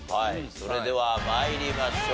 それでは参りましょう。